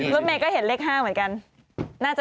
รถเมย์ก็เห็นเลข๕เหมือนกัน